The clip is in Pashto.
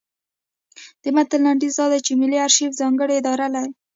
د متن لنډیز دا دی چې ملي ارشیف ځانګړې اداره ده.